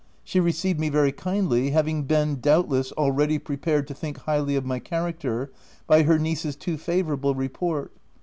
She received me very kindly, having been doubtless, already prepared to think highly of my character, by her niece's too fa vourable report.